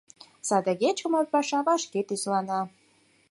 Садыге чумыр паша вашке тӱзлана.